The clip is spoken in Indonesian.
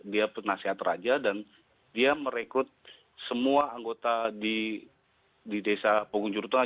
dia penasihat raja dan dia merekrut semua anggota di desa pogong jurutengah